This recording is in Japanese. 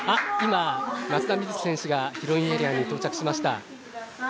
今、松田瑞生選手がヒロインエリアに到着しました。